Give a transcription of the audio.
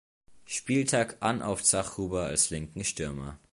Spieltag an auf Zachhuber als linken Stürmer.